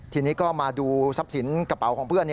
ทีนี้ก็มาดูทรัพย์สินกระเป๋าของเพื่อน